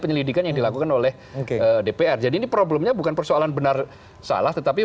penyelidikan yang dilakukan oleh dpr jadi ini problemnya bukan persoalan benar salah tetapi